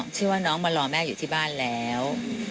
ชื่อว่าน้องมารอแม่อยู่ที่บ้านแล้ว